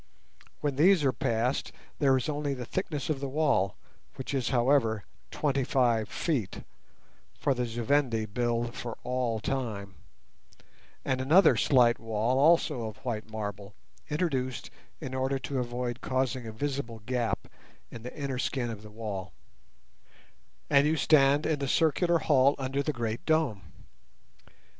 When these are passed there is only the thickness of the wall, which is, however, twenty five feet (for the Zu Vendi build for all time), and another slight wall also of white marble, introduced in order to avoid causing a visible gap in the inner skin of the wall, and you stand in the circular hall under the great dome.